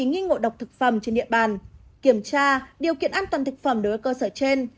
nghi ngộ độc thực phẩm trên địa bàn kiểm tra điều kiện an toàn thực phẩm đối với cơ sở trên